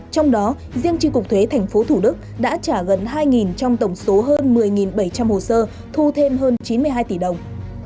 trong đó riêng tri cục thuế tp thủ đức đã trả gần hai trong tổng số hơn một mươi bảy trăm linh hồ sơ thu thêm hơn chín mươi hai tỷ đồng